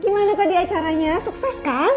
gimana tadi acaranya sukses kan